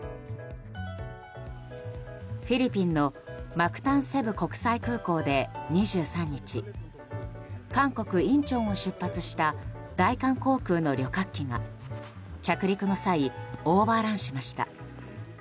フィリピンのマクタン・セブ国際空港で２３日韓国インチョンを出発した大韓航空の旅客機が着陸の際オーバーランしました。